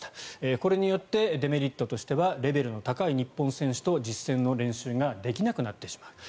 これによってデメリットとしてはレベルの高い日本人選手と実戦の練習ができなくなってしまう。